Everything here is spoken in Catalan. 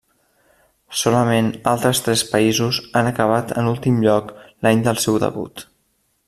Solament altres tres països han acabat en últim lloc l'any del seu debut.